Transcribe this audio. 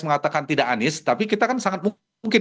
mengatakan tidak anies tapi kita kan sangat mungkin